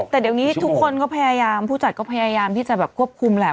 แต่เดี๋ยวนี้ทุกคนก็พยายามผู้จัดก็พยายามที่จะแบบควบคุมแหละ